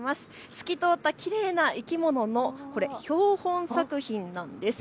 透き通ったきれいな生き物の標本作品なんです。